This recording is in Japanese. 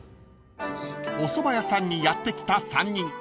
［おそば屋さんにやって来た３人］